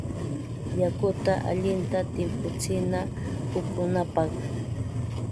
Yakuta allinta timputsina upunapaq.